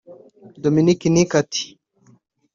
Dominic Nic ati